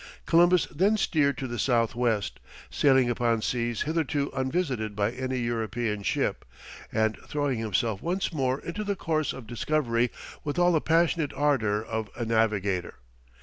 Columbus then steered to the south west, sailing upon seas hitherto unvisited by any European ship, and throwing himself once more into the course of discovery with all the passionate ardour of a navigator.